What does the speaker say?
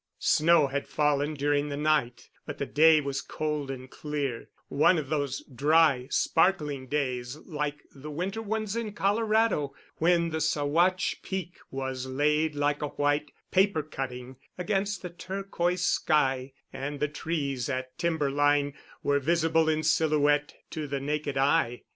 Snow had fallen during the night, but the day was cold and clear—one of those dry, sparkling days like the winter ones in Colorado when the Saguache Peak was laid like a white paper cutting against the turquoise sky, and the trees at timber line were visible in silhouette to the naked eye.